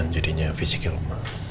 jangan jadinya fisiknya lemah